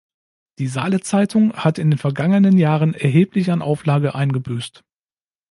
Die "Saale-Zeitung" hat in den vergangenen Jahren erheblich an Auflage eingebüßt.